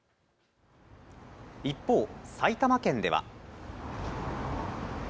一方、埼玉県では。